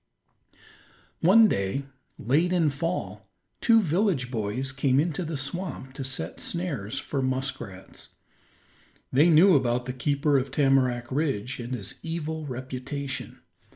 One day, late in fall, two village boys came into the swamp to set snares for muskrats. They knew about the keeper of Tamarack Ridge and his evil reputation.